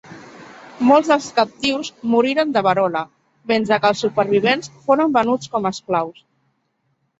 Molts dels captius moriren de verola mentre que els supervivents foren venuts com a esclaus.